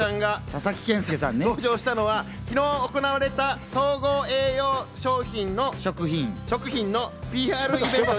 佐々木健介さんね。が登場したのは昨日行われた総合栄養食品のＰＲイベント。